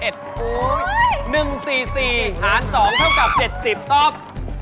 โอ้โห๑๔๔หาร๒เท่ากับ๗๐ตอบ